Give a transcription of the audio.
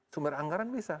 sumber anggaran bisa